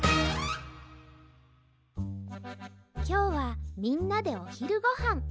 きょうはみんなでおひるごはん。